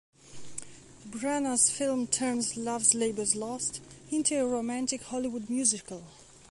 Branagh's film turns "Love's Labour's Lost" into a romantic Hollywood musical.